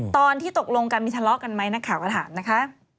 ตอนที่ตกลงกันมีทะเลาะกันไหมนักข่าวอาหารนะคะ